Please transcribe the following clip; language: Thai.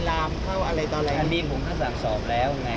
แล้วเหตุผลที่ทางลงพยาบาล